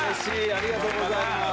ありがとうございます。